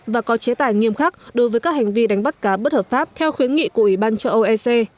và có chế tài nghiêm khắc đối với các hành vi đánh bắt cá bất hợp pháp theo khuyến nghị của ủy ban cho oec